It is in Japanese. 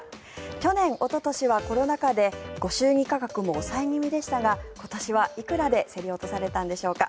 去年、おととしはコロナ禍でご祝儀価格も抑え気味でしたが今年はいくらで競り落とされたんでしょうか。